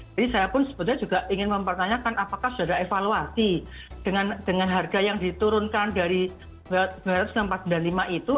jadi saya pun sebetulnya juga ingin mempertanyakan apakah sudah ada evaluasi dengan harga yang diturunkan dari sembilan ratus empat puluh lima itu